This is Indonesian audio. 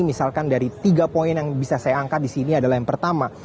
misalkan dari tiga poin yang bisa saya angkat di sini adalah yang pertama